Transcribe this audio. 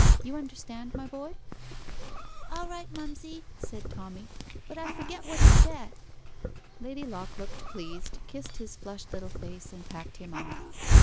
You understand, my boy?" "All right, mumsy," said Tommy. "But I forget what he said." Lady Locke looked pleased, kissed his flushed little face, and packed him off.